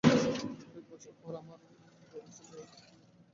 কয়েক বছর পর আমার বড় ছেলে রাজবীরের বিয়ে হয় রাণীর সাথে।